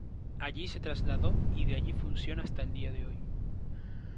Allí se trasladó, y allí funciona hasta el día de hoy.